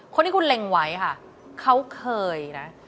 คนที่คุณเล็งไว้ค่ะเขาเคยนะ